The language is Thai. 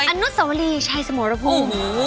อยู่ตรงอนุสวรีชายสมรภูมิ